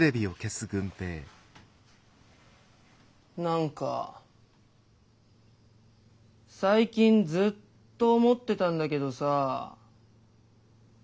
なんか最近ずっと思ってたんだけどさぁ